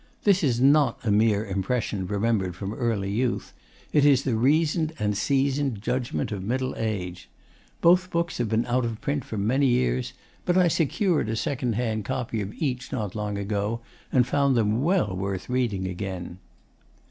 This is not a mere impression remembered from early youth. It is the reasoned and seasoned judgment of middle age. Both books have been out of print for many years; but I secured a second hand copy of each not long ago, and found them well worth reading again.